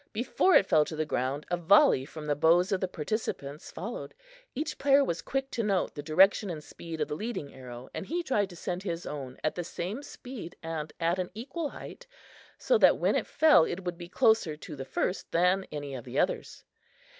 Before it fell to the ground a volley from the bows of the participants followed. Each player was quick to note the direction and speed of the leading arrow and he tried to send his own at the same speed and at an equal height, so that when it fell it would be closer to the first than any of the others.